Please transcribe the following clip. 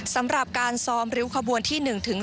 สำหรับการซ้อมริ้วขบวนที่๑๒